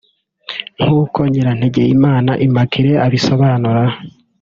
nk’uko Nyirantegeyimana Imamaculee abisobanura